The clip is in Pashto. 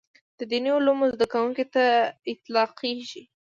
د دیني علومو زده کوونکي ته اطلاقېږي.